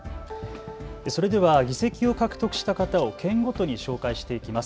それでは議席を獲得した方を県ごとに紹介していきます。